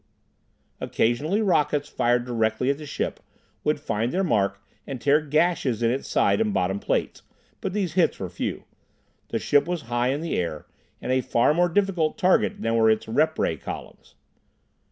Occasionally rockets fired directly at the ship would find their mark and tear gashes in its side and bottom plates, but these hits were few. The ship was high in the air, and a far more difficult target than were its rep ray columns.